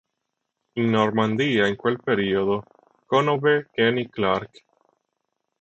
In Normandia in quel periodo conobbe Kenny Clarke.